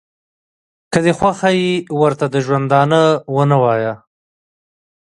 که دې خوښه ي ورته د ژوندانه ونه وایه.